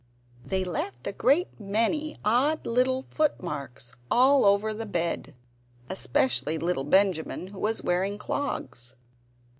They left a great many odd little footmarks all over the bed, especially little Benjamin, who was wearing clogs.